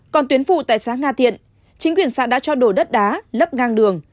còn tuyến phụ tại xã nga thiện chính quyền xã đã cho đổ đất đá lấp ngang đường